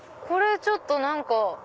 これちょっと何か。